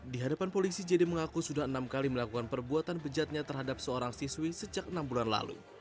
di hadapan polisi jd mengaku sudah enam kali melakukan perbuatan bejatnya terhadap seorang siswi sejak enam bulan lalu